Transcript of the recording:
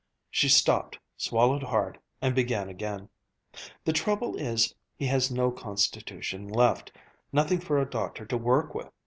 She stopped, swallowed hard, and began again: "The trouble is he has no constitution left nothing for a doctor to work with.